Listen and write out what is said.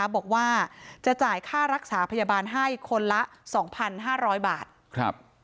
แม่บอกว่าจะจ่ายค่ารักษาพยาบาลให้คนละสองพันห้าร้อยบาทครับ